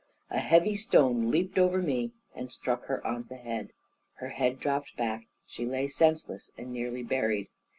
A heavy stone leaped over me, and struck her on the head; her head dropped back, she lay senseless, and nearly buried.